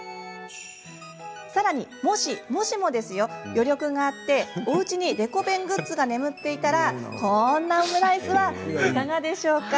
余力があっておうちにデコ弁グッズが眠っていたらこんなオムライスはいかがでしょうか。